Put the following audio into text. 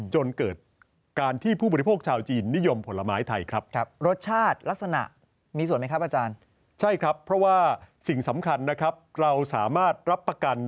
จนเกิดการที่ผู้ปฏิโภคชาวจีนนิยมผลไม้ไทยครับ